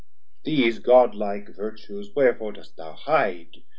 20 These God like Vertues wherefore dost thou hide?